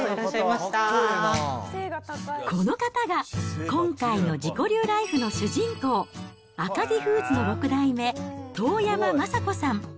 この方が、今回の自己流ライフの主人公、赤城フーズの６代目、遠山昌子さん。